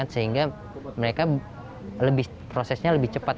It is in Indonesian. sehingga mereka prosesnya lebih cepat